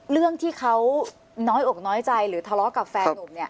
เรื่องที่เขาน้อยอกน้อยใจหรือทะเลาะกับแฟนนุ่ม